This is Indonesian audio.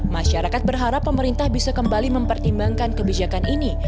masyarakat berharap pemerintah bisa kembali mempertimbangkan kebijakan ini